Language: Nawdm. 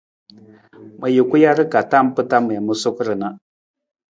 Ma juku jar ka tam mpa ma wii ma suku ra na.